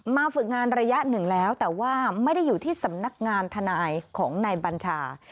ฝึกงานระยะหนึ่งแล้วแต่ว่าไม่ได้อยู่ที่สำนักงานทนายของนายบัญชา